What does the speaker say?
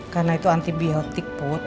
karena itu antibiotik put